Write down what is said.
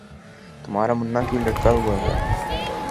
تمہارا منہ کیوں لٹکا ہوا ہے